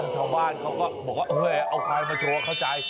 สาวบ้านเขาก็บอกว่าเอ๊เอาควายมาโชว์เราเข้าใจ